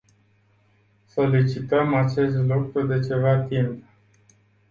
Solicităm acest lucru de ceva timp.